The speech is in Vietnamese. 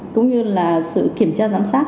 cũng như là sự kiểm tra giám sát